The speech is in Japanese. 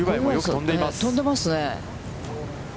飛んでますね。